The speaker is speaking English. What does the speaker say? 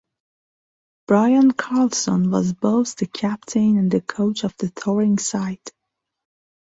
Brian Carlson was both the captain and the coach of the touring side.